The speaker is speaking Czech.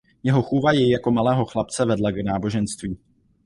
Jeho chůva jej jako malého chlapce vedla k náboženství.